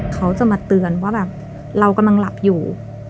เขาจะมาเตือนว่าแบบเรากำลังหลับอยู่